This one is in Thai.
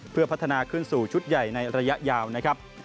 เพื่อพัฒนาขึ้นสู่ชุดใหญ่ในระยะยาวนะครับ